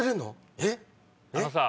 えっ？